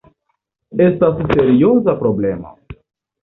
Estas serioza problemo.